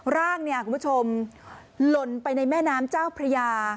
ร่างเนี่ยคุณผู้ชมหล่นไปในแม่น้ำเจ้าพระยา